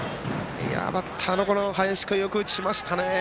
バッターの林君よく打ちましたね。